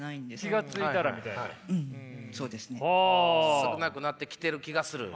少なくなってきてる気がする？